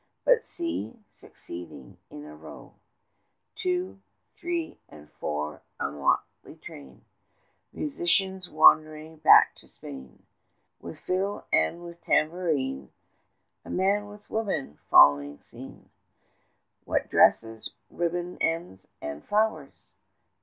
But see, succeeding in a row, 40 Two, three, and four, a motley train, Musicians wandering back to Spain; With fiddle and with tambourine, A man with women following seen. What dresses, ribbon ends, and flowers!